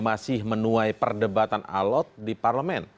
masih menuai perdebatan alot di parlemen